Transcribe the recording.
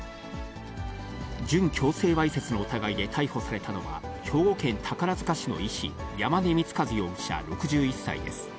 準強制わいせつの疑いで逮捕されたのは、兵庫県宝塚市の医師、山根光量容疑者６１歳です。